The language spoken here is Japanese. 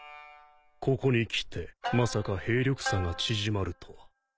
ここにきてまさか兵力差が縮まるとは。